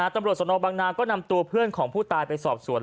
ตำรวจสนบังนาก็นำตัวเพื่อนของผู้ตายไปสอบสวน